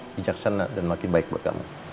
bijaksana dan makin baik buat kamu